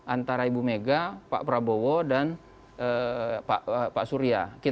antara ibu mega pak prabowo dan pak surya